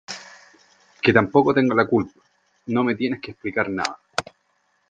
que tampoco tengo la culpa . no me tienes que explicar nada .